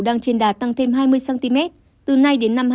đang trên đà tăng thêm hai mươi cm từ nay đến năm hai nghìn hai mươi